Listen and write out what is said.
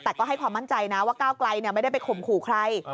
แต่ก็ให้ความมั่นใจนะว่าก้าวไกลไม่ได้ไปข่มขู่ใคร